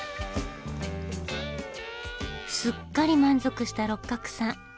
すっかり満足した六角さん。